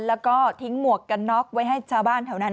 แล้วก็ทิ้งหมวกกันน็อกไว้ให้ชาวบ้านแถวนั้น